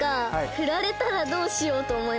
フラれたらどうしようと思いましたか？